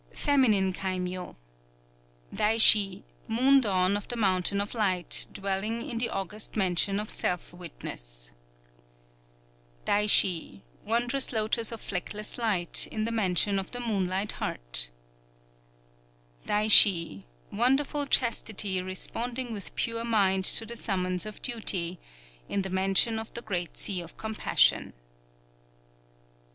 _ [FEMININE KAIMYŌ] Daishi, Moon Dawn of the Mountain of Light, dwelling in the August Mansion of Self witness. Daishi, Wondrous Lotos of Fleckless Light, in the Mansion of the Moonlike Heart. _Daishi, Wonderful Chastity Responding with Pure Mind to the Summons of Duty, in the Mansion of the Great Sea of Compassion.